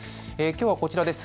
きょうはこちらです。